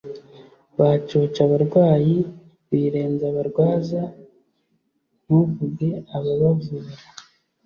Bacoce abarwayi Birenza abarwaza Ntuvuge ababavura !